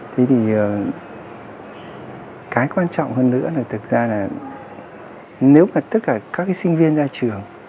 thế thì cái quan trọng hơn nữa là thực ra là nếu mà tất cả các sinh viên ra trường